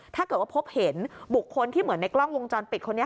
ถ้าเกิดว่าพบเห็นบุคคลที่เหมือนในกล้องวงจรปิดคนนี้